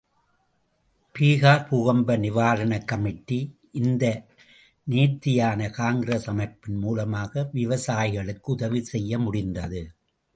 பீகார் பூகம்ப நிவாரணக் கமிட்டி, இந்த நேர்த்தியான காங்கிரஸ் அமைப்பின் மூலமாக விவசாயிகளுக்கு உதவி செய்ய முடிந்தது.